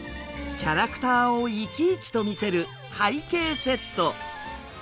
キャラクターを生き生きと見せる背景セット。